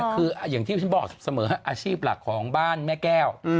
คืออย่างที่ฉันบอกเสมออาชีพหลักของบ้านแม่แก้ว